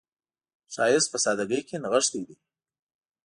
ښایست په سادګۍ کې نغښتی دی